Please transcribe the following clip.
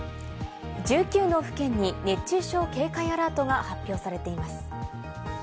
１９の府県に熱中症警戒アラートが発表されています。